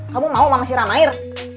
kamu mau mama siram air